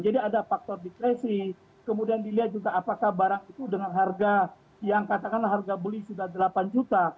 jadi ada faktor diskresi kemudian dilihat juga apakah barang itu dengan harga yang katakanlah harga beli sudah delapan juta